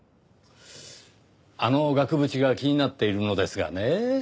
あの額縁が気になっているのですがねぇ。